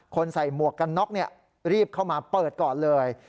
ใส่หมวกกันน็อกรีบเข้ามาเปิดก่อนเลย